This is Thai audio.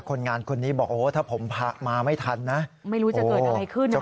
คนงานคนนี้บอกโอ้โหถ้าผมมาไม่ทันนะไม่รู้จะเกิดอะไรขึ้น